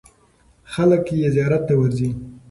خلک یې زیارت ته ورځي.